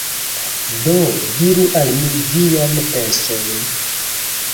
Do, diru al mi viajn pensojn